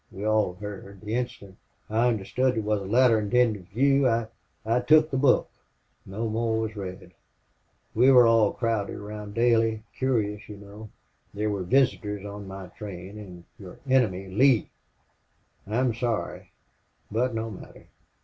We all heard. The instant I understood it was a letter intended for you I took the book. No more was read. We were all crowded round Daley curious, you know. There were visitors on my train and your enemy Lee. I'm sorry but, no matter.